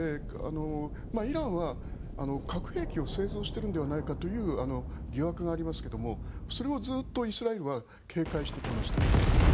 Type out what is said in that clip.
イランは核兵器を製造しているのではないかという疑惑がありますがそれをずっとイスラエルは警戒してきました。